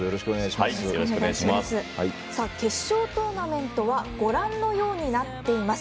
決勝トーナメントはご覧のようになっています。